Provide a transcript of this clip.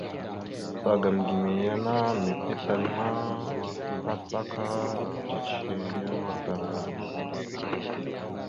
Ɓəzagam gime ya ana mèpiɗe tal ma, tàcaka cicihe ya kwatar gime vaɗ da.